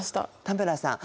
田村さん